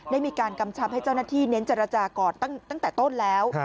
ได้มีการกำชับให้เจ้าหน้าที่เน้นเจรจาก่อนตั้งแต่ต้นแล้ว